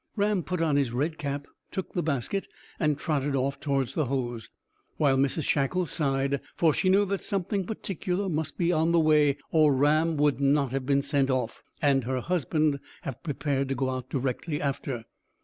Ram put on his red cap, took the basket, and trotted off toward the Hoze, while Mrs Shackle sighed, for she knew that something particular must be on the way, or Ram would not have been sent off, and her husband have prepared to go out directly after.